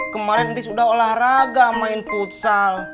kemarin tis udah olahraga main putsal